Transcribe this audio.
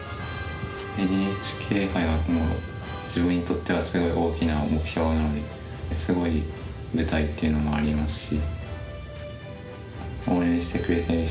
ＮＨＫ杯は自分にとってはすごい大きな目標なのですごい舞台っていうのもありますし。